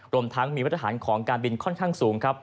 รวมทั้งมีมาตรฐานของการบินค่อนข้างสูงครับ